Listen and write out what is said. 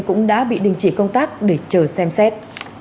cũng đã bị đình chỉ công tác để chờ xem xét